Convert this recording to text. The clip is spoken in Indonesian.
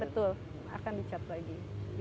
betul akan dicat lagi